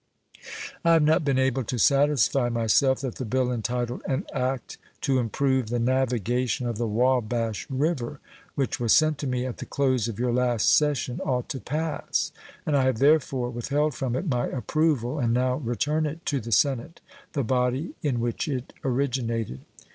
I have not been able to satisfy myself that the bill entitled "An act to improve the navigation of the Wabash River", which was sent to me at the close of your last session, ought to pass, and I have therefore withheld from it my approval and now return it to the Senate, the body in which it originated.